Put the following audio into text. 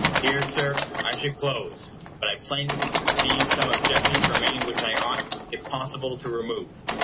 Here, Sir, I should close, but I plainly perceive some objections remain which I ought, if possible, to remove.